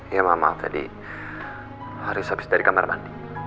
ya mama tadi haris habis dari kamar mandi